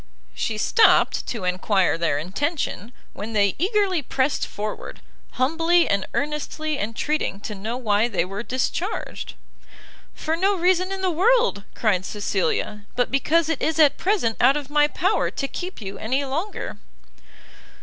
She stopt to enquire their intention, when they eagerly pressed forward, humbly and earnestly entreating to know why they were discharged? "For no reason in the world," cried Cecilia, "but because it is at present out of my power to keep you any longer."